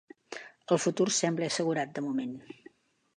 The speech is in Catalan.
El futur sembla assegurat de moment.